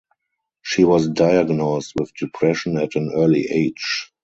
She was diagnosed with depression at an early age.